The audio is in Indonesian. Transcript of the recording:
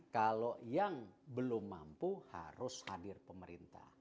kalau yang belum mampu harus hadir pemerintah